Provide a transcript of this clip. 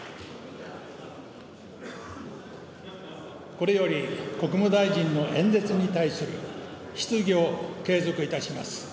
これより国務大臣の演説に対する質疑を継続いたします。